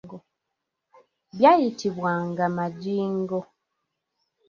Byayitibwanga majingo.